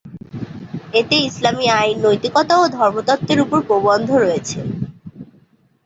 এতে ইসলামি আইন, নৈতিকতা ও ধর্মতত্ত্বের উপর প্রবন্ধ রয়েছে।